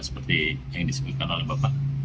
seperti yang disebutkan oleh bapak